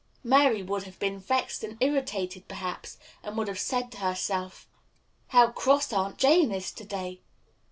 Mary would have been vexed and irritated, perhaps, and would have said to herself, "How cross Aunt Jane is to day!"